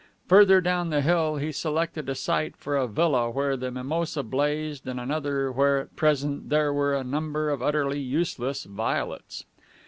Further down the hill, he selected a site for a villa, where the mimosa blazed, and another where at present there were a number of utterly useless violets.